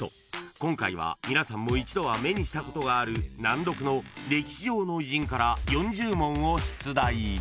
［今回は皆さんも一度は目にしたことがある難読の歴史上の偉人から４０問を出題］